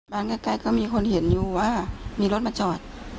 ใกล้ก็มีคนเห็นอยู่ว่ามีรถมาจอด